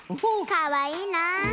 かわいいなあ。